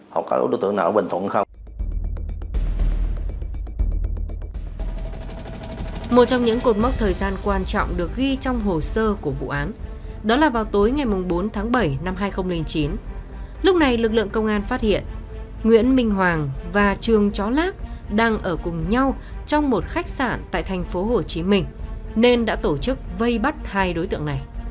họ có đối tượng nào ở bình thuận không